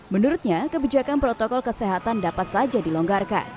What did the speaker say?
menurutnya kebijakan protokol kesehatan dapat saja dilonggarkan